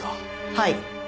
はい。